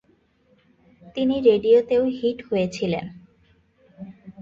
তিনি রেডিওতেও হিট হয়েছিলেন।